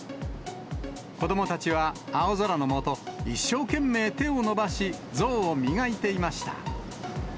子どもたちは青空の下、一生懸命手を伸ばし、像を磨いていました。